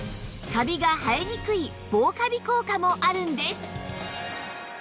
カビが生えにくい防カビ効果もあるんです